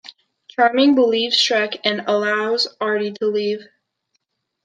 Charming believes Shrek and allows Artie to leave.